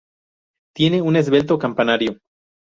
Tiene un esbelto campanario.